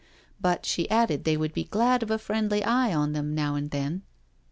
But she added they would be glad of a friendly eye on them now and then.